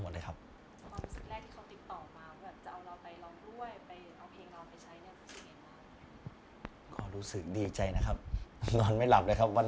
ของชาวโสเชียลแต่ยังไปถูกใจ